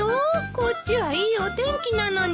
こっちはいいお天気なのに。